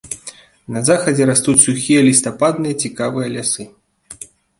На захадзе растуць сухія лістападныя цікавыя лясы.